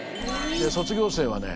卒業生はね